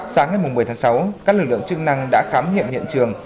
sáng ngày một mươi tháng sáu các lực lượng chức năng đã khám nghiệm hiện trường